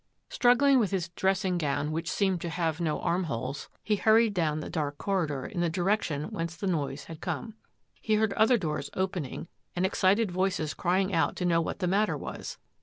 Struggling with his dressing gown, which seemed to have no arm holes, he hurried down the dark corridor in the direction whence the noise had come. He heard other doors opening and excited voices crying out to know what the matter was.